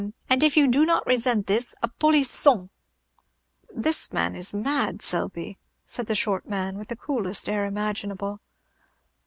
_ and if you do not resent this, a polisson!" "This man is mad, Selby," said the short man, with the coolest air imaginable.